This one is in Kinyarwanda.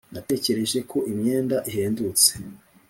natekereje ko imyenda ihendutse.